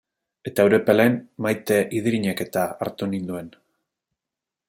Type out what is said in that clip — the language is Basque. Eta Urepelen Maite Idirinek-eta hartu ninduen.